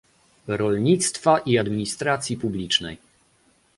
rolnictwa i administracji publicznej